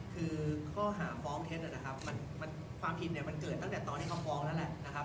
ข้อหาอาการฟ้องเท็จความทินเกิดตั้งแต่ตอนฟ้องแล้ว